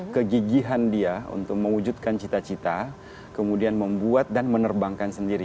kegigihan dia untuk mewujudkan cita cita kemudian membuat dan menerbangkan sendiri